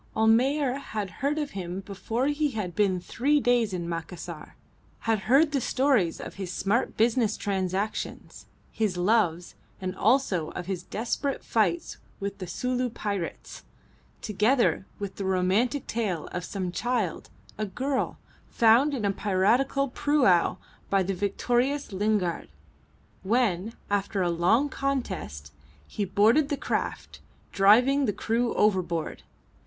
Almayer had heard of him before he had been three days in Macassar, had heard the stories of his smart business transactions, his loves, and also of his desperate fights with the Sulu pirates, together with the romantic tale of some child a girl found in a piratical prau by the victorious Lingard, when, after a long contest, he boarded the craft, driving the crew overboard.